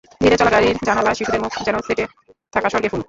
ধীরে চলা গাড়ির জানালায় শিশুদের মুখ যেন সেঁটে থাকা স্বর্গের ফুল।